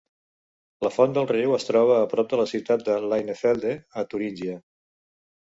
La font del riu es troba a prop de la ciutat de Leinefelde a Turíngia.